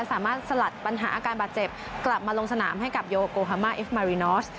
สลัดปัญหาอาการบาดเจ็บกลับมาลงสนามให้กับโยโกฮามาเอฟมารินอส